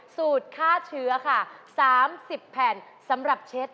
สูตรฆ่าเชื้อค่ะ๓๐แผ่นสำหรับเช็ด